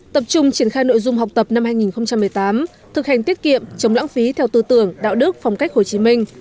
tập trung triển khai nội dung học tập năm hai nghìn một mươi tám thực hành tiết kiệm chống lãng phí theo tư tưởng đạo đức phong cách hồ chí minh